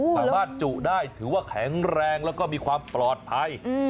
สามารถจุได้ถือว่าแข็งแรงแล้วก็มีความปลอดภัย